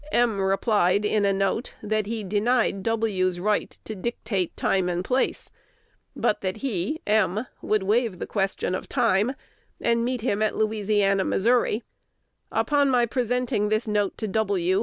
M. replied in a note, that he denied W.'s right to dictate time and place, but that he (M.) would waive the question of time, and meet him at Louisiana, Mo. Upon my presenting this note to W.